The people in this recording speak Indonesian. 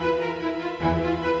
yang sepupu banget